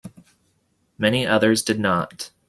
Many others did not.